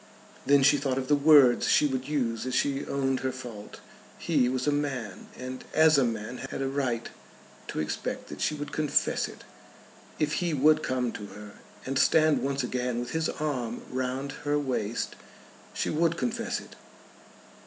Then she thought of the words she would use as she owned her fault. He was a man, and as a man had a right to expect that she would confess it. If he would come to her, and stand once again with his arm round her waist, she would confess it.